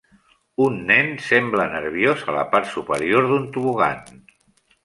Un nen sembla nerviós a la part superior d'un tobogan.